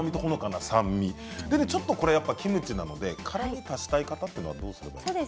キムチなので辛みを足したい方はどうすればいいですか。